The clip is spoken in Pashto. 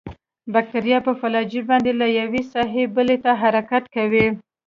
باکتریا په فلاجیل باندې له یوې ساحې بلې ته حرکت کوي.